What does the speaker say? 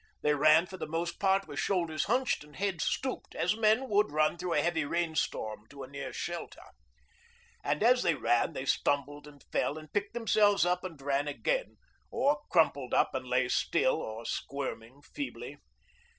They ran for the most part with shoulders hunched and heads stooped, as men would run through a heavy rainstorm to a near shelter And as they ran they stumbled and fell and picked themselves up and ran again or crumpled up and lay still or squirming feebly.